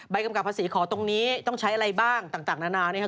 กำกับภาษีขอตรงนี้ต้องใช้อะไรบ้างต่างนานานะครับ